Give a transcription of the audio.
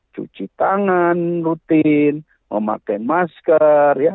cuci tangan rutin memakai masker ya